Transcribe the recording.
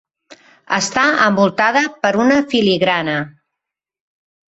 Està envoltada per una filigrana.